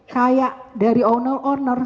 kayak dari owner owner